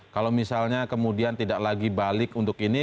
kalau misalnya kemudian tidak lagi balik untuk ini